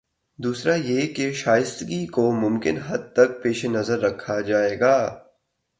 دوسرا یہ کہ شائستگی کو ممکن حد تک پیش نظر رکھا جائے گا۔